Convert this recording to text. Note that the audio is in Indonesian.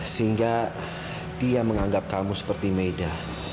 sehingga dia menganggap kamu seperti meida